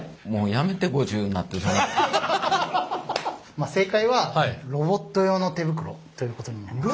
まあ正解はロボット用の手袋ということになります。